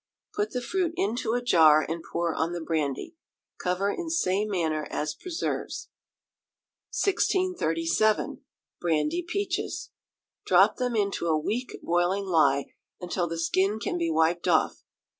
Put the fruit into a jar, and pour on the brandy. Cover in same manner as preserves. 1637. Brandy Peaches. Drop them into a weak boiling lye, until the skin can be wiped off.